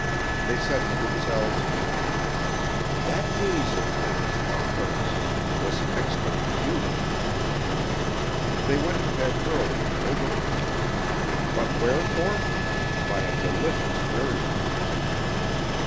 They said to themselves: "That gaze of his, of hers, was fixed on you." They went to bed early, overcome but wherefore? by a delicious weariness.